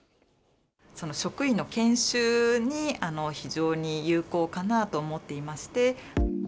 その職員の研修に非常に有効かなと思っていまして。